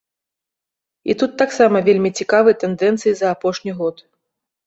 І тут таксама вельмі цікавыя тэндэнцыі за апошні год.